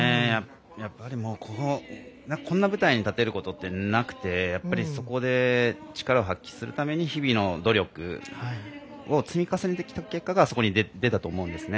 こんな舞台に立てることってなくてやっぱり、そこで力を発揮するために日々の努力を積み重ねてきた結果があそこに出たと思うんですね。